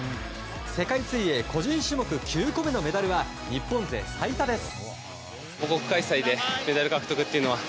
世界水泳、個人種目９個目のメダルは日本勢最多です。